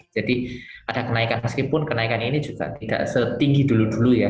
jadi ada kenaikan meskipun kenaikan ini juga tidak setinggi dulu dulu ya